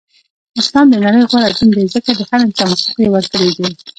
اسلام د نړی غوره دین دی ځکه د هر انسان حقوق یی ورکړی دی.